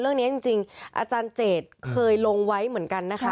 เรื่องนี้จริงอาจารย์เจดเคยลงไว้เหมือนกันนะคะ